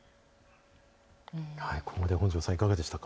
ここまで本上さん、いかがでしたか？